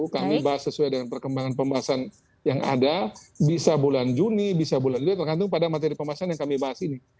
kami bahas sesuai dengan perkembangan pembahasan yang ada bisa bulan juni bisa bulan juli tergantung pada materi pembahasan yang kami bahas ini